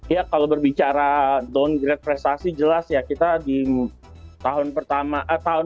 ya kalau berbicara downgrade prestasi jelas ya kita di tahun pertama